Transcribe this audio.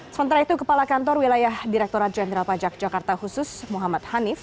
sementara itu kepala kantor wilayah direkturat jenderal pajak jakarta khusus muhammad hanif